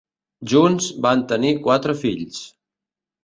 Junts van tenir quatre fills.